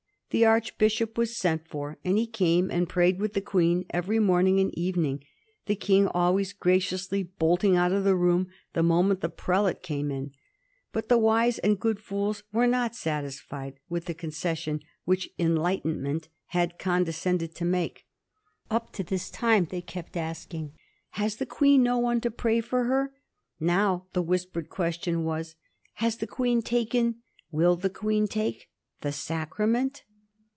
The archbishop was sent for, and he came and prayed with the Queen every morning and evening; the King always graciously bolting out of the room the moment the prelate came in. But the wise and good fools were not satisfied with the concession which enlightenment had condescend ed to make. Up to this time they kept asking, " Has the Queen no one to pray with her?" Now the whispered question was, " Has the Queen taken — will the Queen take — the sacrament?"